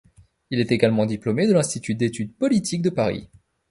Il est également diplômé de l’Institut d’études politiques de Paris.